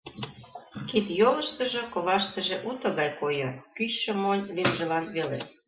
Кид-йолыштыжо коваштыже уто гай койо, кӱчшӧ монь лӱмжылан веле.